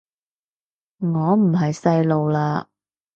我唔係細路喇